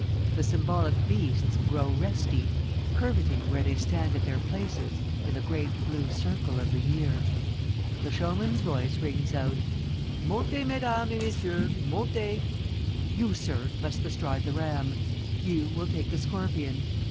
The symbolic beasts grow resty, curvetting where they stand at their places in the great blue circle of the year. The Showman's voice rings out. ' Montez, mesdames et messieurs, montez. You, sir, must bestride the Ram. You will take the Scorpion.